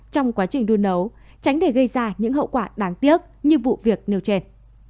trong quá trình đun nấu tránh để gây ra những hậu quả đáng tiếc như vụ việc nêu trên